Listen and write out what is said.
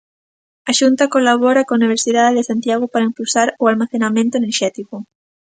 A Xunta colabora coa Universidade de Santiago para impulsar o almacenamento enerxético.